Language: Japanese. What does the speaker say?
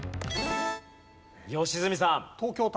良純さん。